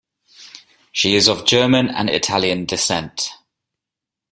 She is of German and Italian descent.